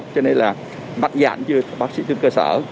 cho nên là mặt dạng cho bác sĩ trên cơ sở